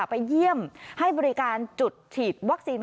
ไปเยี่ยมให้บริการจุดฉีดวัคซีน